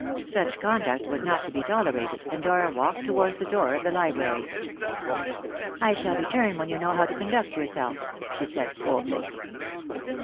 Such conduct was not to be tolerated, and Dora walked towards the door of the library. "I shall return when you know how to conduct yourself," she said coldly.